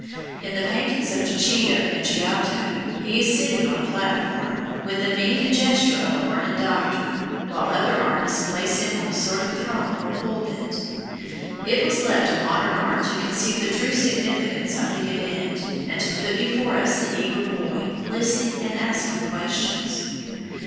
In the paintings of Duccio and Giotto, he is sitting on a platform, with the mien and gesture of a learned doctor; while other artists place him on a sort of throne or pulpit. It was left to modern art to conceive the true significance of the event, and to put before us the eager boy, listening and asking questions.